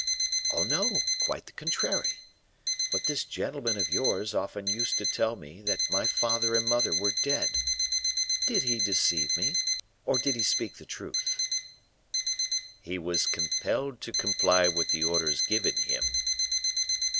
"Oh, no; quite the contrary. But this gentleman of yours often used to tell me that my father and mother were dead. Did he deceive me, or did he speak the truth?" "He was compelled to comply with the orders given him."